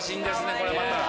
これまた。